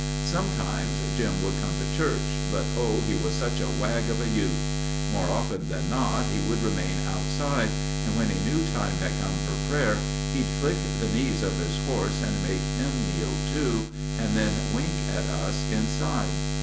Sometimes Jim would come to church, but, oh, he was such a wag of a youth. More often than not, he would remain outside, and when he knew time had come for prayer, he'd flick the knees of his horse and make him kneel, too, and then wink at us inside.